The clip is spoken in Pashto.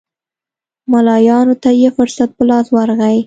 ملایانو ته یې فرصت په لاس ورغی.